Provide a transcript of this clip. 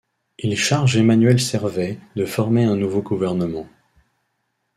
Il charge Emmanuel Servais de former un nouveau gouvernement.